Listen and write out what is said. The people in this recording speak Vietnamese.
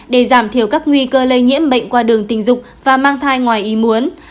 để giảm thiểu các nguy cơ lây nhiễm bệnh qua đường tình dục và mang thai ngoài ý muốn